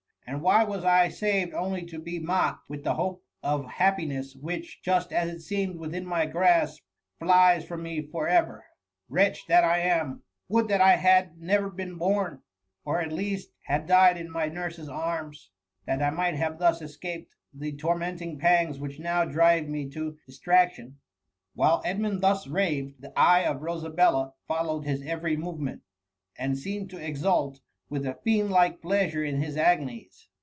And why was I saved only to be mocked with the hope of happiness, which, just as it seemed within my grasp, flies from me for ever ? Wretch that I am ! would that I had never been born; or at least had died in my nurse^s arms, that I might have thus escaped the tormenting pangs which now drive me to dis« traction P Whilst Edmund thus raved, the eye of Ro* S94 THE HUM VT. sabella followed his every movement, and seemed to exult with a fiend4ike pleasure in his agonies.